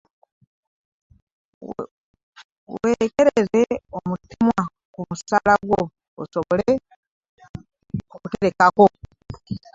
Weerekereze omutemwa ku musaala gwo osobole okuterekako.